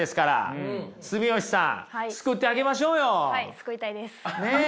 救いたいです。